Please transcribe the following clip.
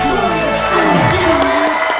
ร้องได้ให้ร้อง